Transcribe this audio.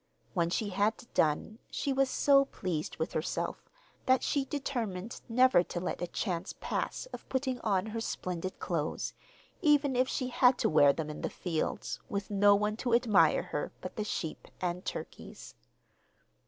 When she had done, she was so pleased with herself that she determined never to let a chance pass of putting on her splendid clothes, even if she had to wear them in the fields, with no one to admire her but the sheep and turkeys.